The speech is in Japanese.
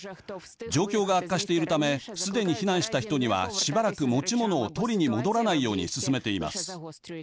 状況が悪化しているためすでに避難した人にはしばらく持ち物を取りに戻らないように勧めています。